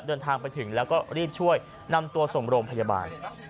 เดินทางไปถึงแล้วก็รีบช่วยนำตัวส่งโรงพยาบาล